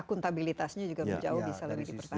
akuntabilitasnya juga jauh bisa lebih diperpanjang